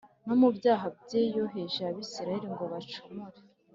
no mu byaha bye yoheje Abisirayeli ngo bacumure